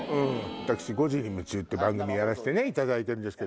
私『５時に夢中！』って番組やらせていただいてるんですけど。